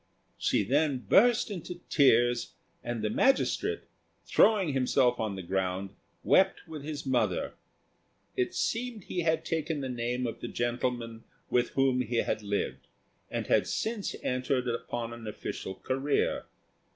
She then burst into tears, and the magistrate, throwing himself on the ground, wept with his mother. It seemed he had taken the name of the gentleman with whom he had lived, and had since entered upon an official career.